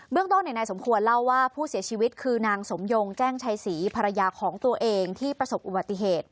เรื่องต้นนายสมควรเล่าว่าผู้เสียชีวิตคือนางสมยงแจ้งชัยศรีภรรยาของตัวเองที่ประสบอุบัติเหตุ